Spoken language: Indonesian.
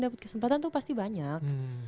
dapat kesempatan tuh pasti banyak